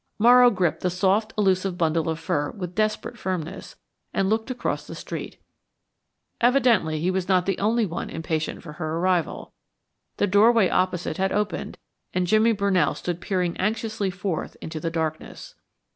Morrow gripped the soft, elusive bundle of fur with desperate firmness and looked across the street. Evidently he was not the only one impatient for her arrival. The doorway opposite had opened, and Jimmy Brunell stood peering anxiously forth into the darkness.